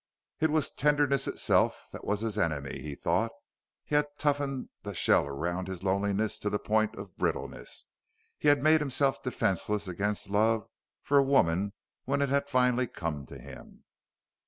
It was tenderness itself that was his enemy, he thought. He had toughened the shell around his loneliness to the point of brittleness; he had made himself defenseless against love for a woman when it had finally come to him....